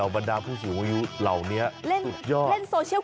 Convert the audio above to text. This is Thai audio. วัยรุ่นดีเจอ่ะ